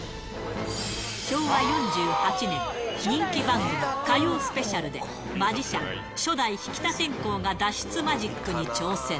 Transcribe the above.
昭和４８年、人気番組、火曜スペシャルで、マジシャン、初代引田天功が脱出マジックに挑戦。